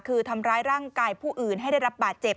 คือทำร้ายร่างกายผู้อื่นให้ได้รับบาดเจ็บ